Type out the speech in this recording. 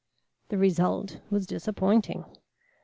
The result was disappointing.